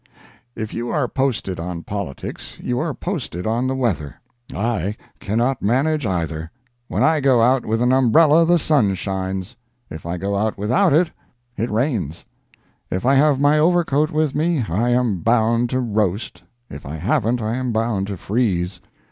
If you are posted on politics, you are posted on the weather. I cannot manage either; when I go out with an umbrella, the sun shines; if I go without it, it rains; if I have my overcoat with me, I am bound to roast—if I haven't, I am bound to freeze.